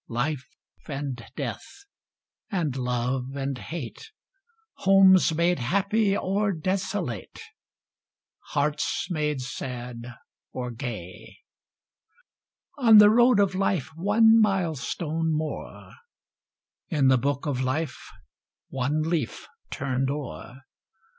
Life and death, and love and hate, Homes made happy or desolate, Hearts made sad or gay! On the road of life one mile stone more ! In the book of life one leaf turned o'er !